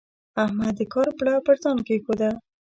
احمد د کار پړه پر ځان کېښوده.